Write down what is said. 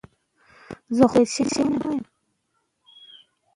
لوستې مور ماشوم له لوګي ساتي.